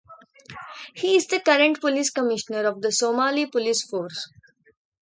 He is the current Police Commissioner of the Somali Police Force.